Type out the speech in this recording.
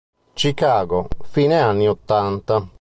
Chicago, fine anni ottanta.